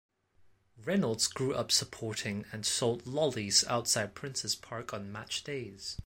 Reynolds grew up supporting and sold lollies outside Princes Park on match days.